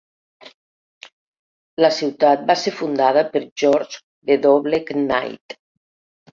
La ciutat va ser fundada per George W. Knight.